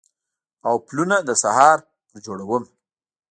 او پلونه د سهار پر جوړمه